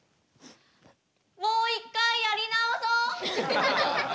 もう一回やり直そう！